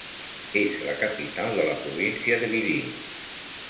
És la capital de la província de Vidin.